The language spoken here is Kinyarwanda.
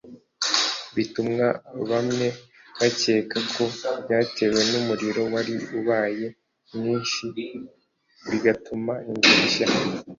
bituma bamwe bakeka ko byatewe n’umuriro wari ubaye mwinshi bigatuma inzu ishya